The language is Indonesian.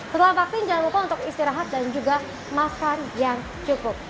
setelah vaksin jangan lupa untuk istirahat dan juga makan yang cukup